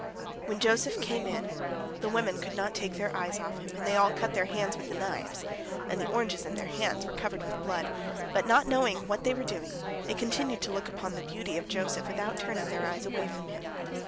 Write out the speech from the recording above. When Joseph came in, the women could not take their eyes off him, and they all cut their hands with the knives, and the oranges in their hands were covered with blood, but they, not knowing what they were doing, continued to look upon the beauty of Joseph without turning their eyes away from him.